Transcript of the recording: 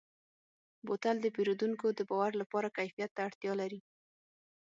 بوتل د پیرودونکو د باور لپاره کیفیت ته اړتیا لري.